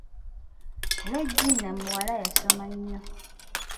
Leegina muwala yasoma nnyo.